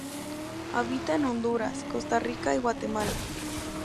Habita en Honduras, Costa Rica y Guatemala.